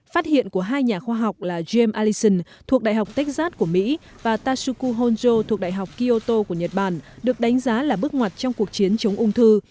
phát hiện của hai nhà khoa học là james allison thuộc đại học texas của mỹ và tatsuko honjo thuộc đại học kyoto của nhật bản được đánh giá là bước ngoặt trong cuộc chiến chống ung thư